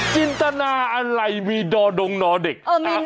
จินตนาอะไรมีดอดงนอเด็ก